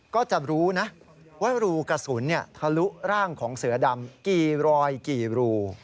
ก็จะรู้นะว่ารูกระสุนทะลุร่างของเสือดำกี่รอยกี่รู